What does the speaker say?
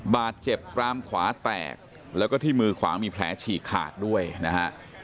บาดเจ็บกรามขวาแตกแล้วก็ที่มือขวามีแผลฉีกขาดด้วยนะฮะ